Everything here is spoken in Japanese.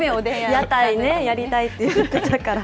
屋台ね、やりたいって言ってたから。